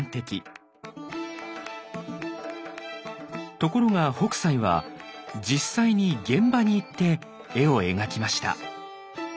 ところが北斎は実際に現場に行って絵を描きました。